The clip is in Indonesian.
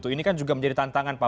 ini kan juga menjadi tantangan pak